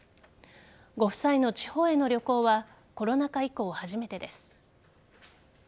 ご夫妻の地方への旅行はコロナ禍以降、初めてです。